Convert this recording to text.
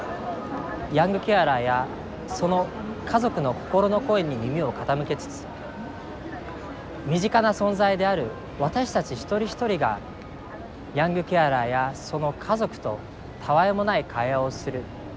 ヤングケアラーやその家族の心の声に耳を傾けつつ身近な存在である私たち一人一人がヤングケアラーやその家族とたわいもない会話をする。